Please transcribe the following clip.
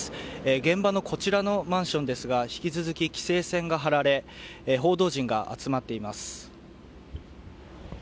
現場のこちらのマンションですが引き続き規制線が張られ報道陣が集まっています。